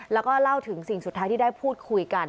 แล้วก็เล่าถึงสิ่งสุดท้ายที่ได้พูดคุยกัน